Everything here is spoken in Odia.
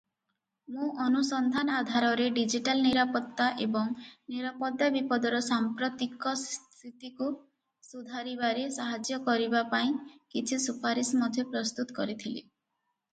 ମୁଁ ଅନୁସନ୍ଧାନ ଆଧାରରେ ଡିଜିଟାଲ ନିରାପତ୍ତା ଏବଂ ନିରାପତ୍ତା ବିପଦର ସାମ୍ପ୍ରତିକ ସ୍ଥିତିକୁ ସୁଧାରିବାରେ ସାହାଯ୍ୟ କରିବା ପାଇଁ କିଛି ସୁପାରିସ ମଧ୍ୟ ପ୍ରସ୍ତୁତ କରିଥିଲି ।